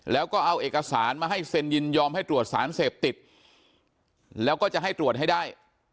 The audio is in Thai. แล้วก็เอาเอกสารมาให้เซ็นยินยอมให้ตรวจสารเสพติดแล้วก็จะให้ตรวจให้ได้